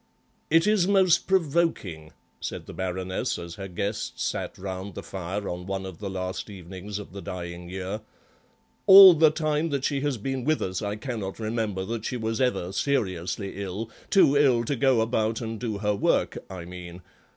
"It is most provoking," said the Baroness, as her guests sat round the fire on one of the last evenings of the dying year; "all the time that she has been with us I cannot remember that she was ever seriously ill, too ill to go about and do her work, I mean.